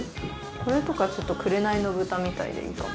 これとかちょっと『紅の豚』みたいでいいかも。